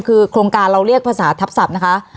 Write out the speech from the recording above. คือโครงการเราเรียกภาษาทัพศัพท์นะคะ